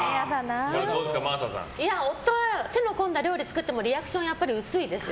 夫は手の込んだ料理を作っても反応は薄いですよ。